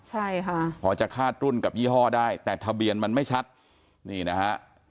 ใช่ค่ะพอจะคาดรุ่นกับยี่ห้อได้แต่ทะเบียนมันไม่ชัดนี่นะฮะ